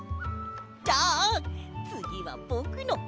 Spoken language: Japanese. じゃあつぎはぼくの！